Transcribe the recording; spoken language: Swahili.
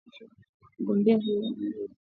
Mgombea huyo ana umri wa miaka arubaini na nne